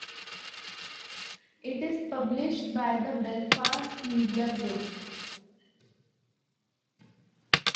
It is published by the Belfast Media Group.